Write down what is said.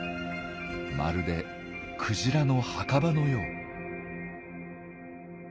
まるでクジラの墓場のよう。